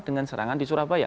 dengan serangan di surabaya